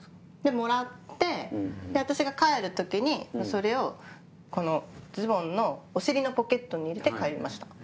もらって私が帰る時にそれをズボンのお尻のポケットに入れて帰りました。